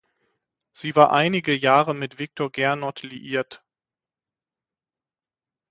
Sie war einige Jahre mit Viktor Gernot liiert.